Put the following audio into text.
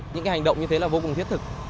những cái hành động như thế là vô cùng thiết thực